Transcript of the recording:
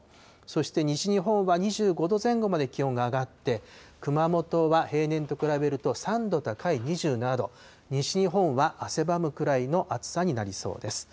そして西日本は２５度前後まで気温が上がって、熊本は平年と比べると３度高い２７度、西日本は汗ばむくらいの暑さになりそうです。